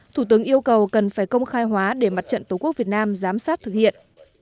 thủ tướng yêu cầu cần phải công khai hóa để mặt trận tổ quốc việt nam giám sát thực hiện